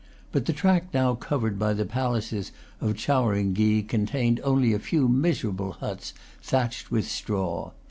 But the tract now covered by the palaces of Chowringhee contained only a few miserable huts thatched with straw.